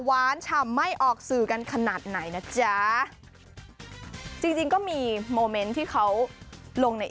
ฉ่ำไม่ออกสื่อกันขนาดไหนนะจ๊ะจริงจริงก็มีโมเมนต์ที่เขาลงใน